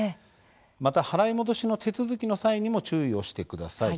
また払い戻しの手続きの際にも注意してください。